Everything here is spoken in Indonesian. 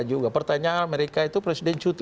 juga pertanyaan amerika itu presiden cuti